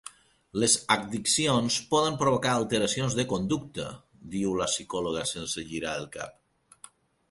Les addiccions poden provocar alteracions de conducta —diu la psicòloga sense girar el cap.